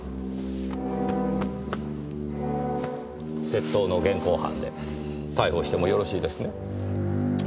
窃盗の現行犯で逮捕してもよろしいですね？